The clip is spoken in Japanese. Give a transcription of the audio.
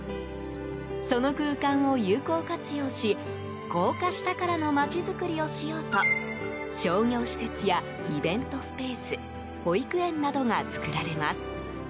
その空間を有効活用し高架下からの街づくりをしようと商業施設やイベントスペース保育園などが作られます。